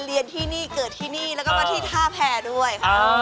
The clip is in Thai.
เรียนที่นี่เกิดที่นี่แล้วก็มาที่ท่าแพรด้วยค่ะ